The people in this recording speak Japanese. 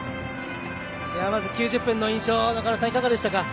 まず９０分の印象中村さん、いかがでしたか。